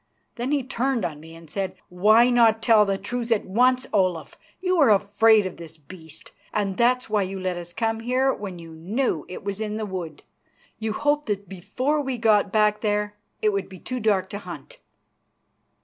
Then he turned on me and said: "Why not tell the truth at once, Olaf? You are afraid of this beast, and that's why you let us come on here when you knew it was in the wood. You hoped that before we got back there it would be too dark to hunt."